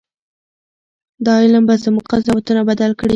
دا علم به زموږ قضاوتونه بدل کړي.